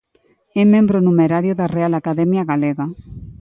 É membro numerario da Real Academia Galega.